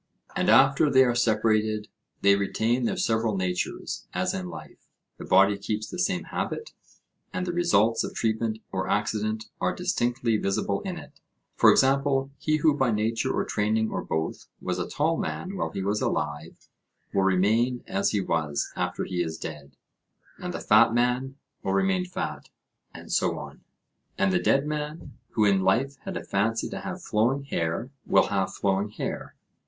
And after they are separated they retain their several natures, as in life; the body keeps the same habit, and the results of treatment or accident are distinctly visible in it: for example, he who by nature or training or both, was a tall man while he was alive, will remain as he was, after he is dead; and the fat man will remain fat; and so on; and the dead man, who in life had a fancy to have flowing hair, will have flowing hair.